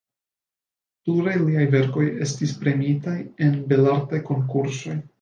Pluraj liaj verkoj estis premiitaj en Belartaj Konkursoj.